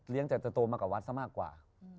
เลี้ยงแต่โตมากับวัดซะมากกว่า